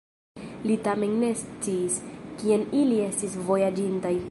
Li tamen ne sciis, kien ili estis vojaĝintaj.